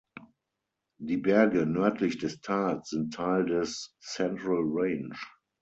Die Berge nördlich des Tals sind Teil des Central Range.